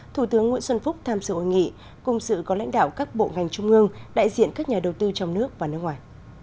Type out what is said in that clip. thủ tướng nguyễn xuân phúc tham dự hội nghị cùng sự có lãnh đạo các bộ ngành trung ương đại diện các nhà đầu tư trong nước và nước ngoài